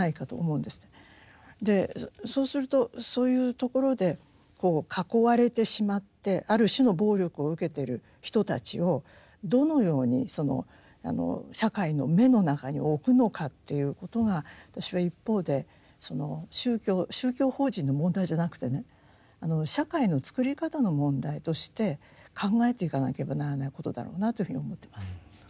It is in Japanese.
そうするとそういうところで囲われてしまってある種の暴力を受けている人たちをどのように社会の目の中に置くのかということが私は一方でその宗教宗教法人の問題じゃなくてね社会のつくり方の問題として考えていかなければならないことだろうなというふうに思ってます。